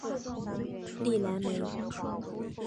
利莱梅。